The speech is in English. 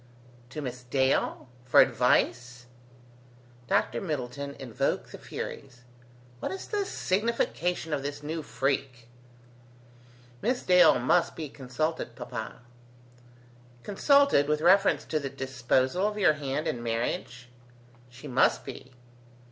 "To Miss Dale? for advice?" Dr Middleton invoked the Furies. "What is the signification of this new freak?" "Miss Dale must be consulted, papa." "Consulted with reference to the disposal of your hand in marriage?" "She must be."